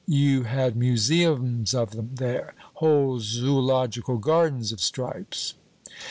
You had museums of 'em there whole Zoological Gardens of stripes."